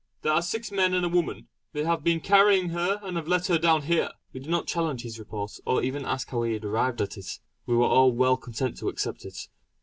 There are six men and a woman. They have been carrying her, and have let her down here!" We did not challenge his report, or even ask how he had arrived at it; we were all well content to accept it.